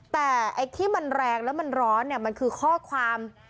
แต่ไอ้ที่มันแรงแล้วมันร้อนเนี่ยมันคือข้อความ